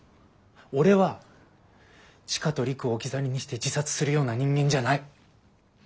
俺は千佳と璃久を置き去りにして自殺するような人間じゃない！